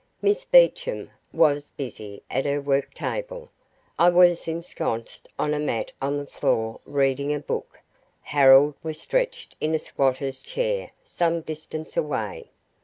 Miss Beecham was busy at her work table; I was ensconced on a mat on the floor reading a book; Harold was stretched in a squatter's chair some distance away.